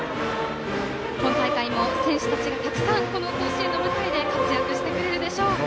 今大会も選手たちがたくさん甲子園の舞台で活躍してくれるでしょう。